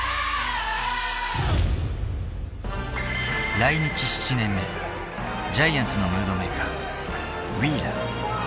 来日７年目、ジャイアンツのムードメーカー、ウィーラー。